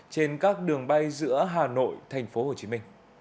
trên các đường bay giữa hà nội tp hcm